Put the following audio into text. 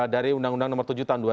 dari undang undang nomor tujuh tahun